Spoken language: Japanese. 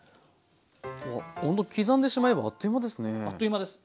ほんと刻んでしまえばあっという間ですね。